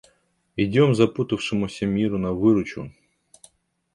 Идем запутавшемуся миру на выручу!